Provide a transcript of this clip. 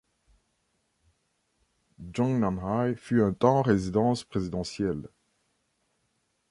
Zhongnanhai fut un temps résidence présidentielle.